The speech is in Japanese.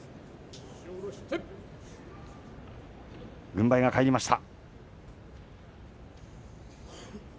軍配が返りました。